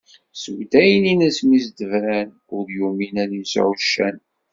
Seg udaynin asmi s-d-bran, ur yumin ad yesɛu ccan.